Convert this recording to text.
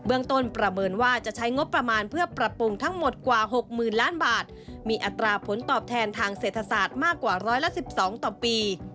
ต้นประเมินว่าจะใช้งบประมาณเพื่อปรับปรุงทั้งหมดกว่า๖๐๐๐ล้านบาทมีอัตราผลตอบแทนทางเศรษฐศาสตร์มากกว่าร้อยละ๑๒ต่อปี